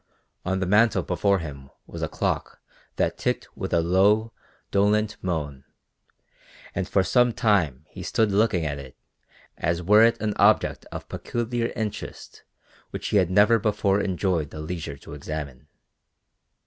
On the mantel before him was a clock that ticked with a low, dolent moan, and for some time he stood looking at it as were it an object of peculiar interest which he had never before enjoyed the leisure to examine.